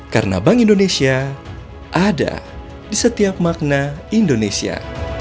karena bank indonesia ada di setiap makna indonesia